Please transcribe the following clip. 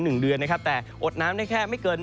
หนึ่งเดือนนะครับแต่อดน้ำได้แค่ไม่เกิน